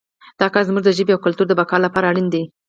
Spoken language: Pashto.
دا کار زموږ د ژبې او کلتور د بقا لپاره اړین دی